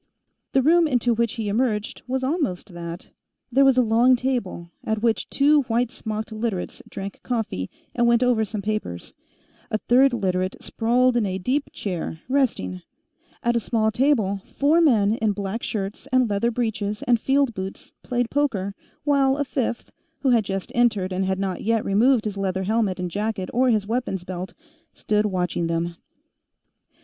The room into which he emerged was almost that. There was a long table, at which two white smocked Literates drank coffee and went over some papers; a third Literate sprawled in a deep chair, resting; at a small table, four men in black shirts and leather breeches and field boots played poker, while a fifth, who had just entered and had not yet removed his leather helmet and jacket or his weapons belt, stood watching them.